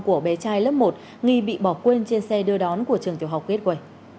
của bé trai lớp một nghi bị bỏ quên trên xe đưa đón của trường tiểu học kết quả